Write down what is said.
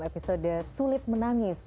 kehidupan yang baik